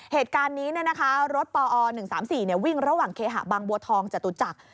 เหตุการณ์นี้รถปอ๑๓๔วิ่งระหว่างเคหะบางบัวทองจตุจักร